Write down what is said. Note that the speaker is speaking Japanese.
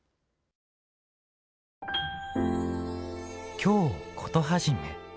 「京コトはじめ」